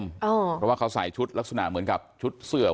เพราะว่าเขาใส่ชุดลักษณะเหมือนกับชุดเสือ